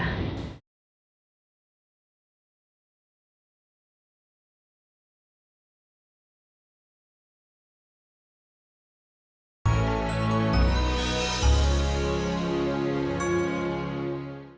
sampai jumpa lagi